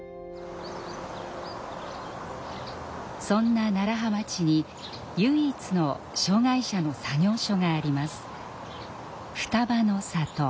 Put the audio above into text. そんな楢葉町に唯一の障害者の作業所があります。